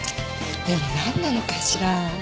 でも何なのかしら。